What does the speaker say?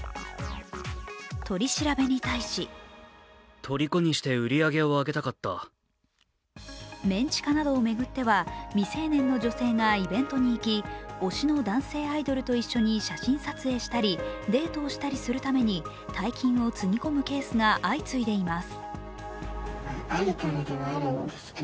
取り調べに対しメン地下などを巡っては未成年の女性がイベントに行き推しの男性アイドルと一緒に写真撮影したり、デートをしたりするために大金をつぎ込むケースが相次いでいます。